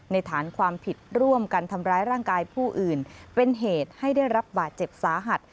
ฐานความผิดร่วมกันทำร้ายร่างกายผู้อื่นเป็นเหตุให้ได้รับบาดเจ็บสาหัส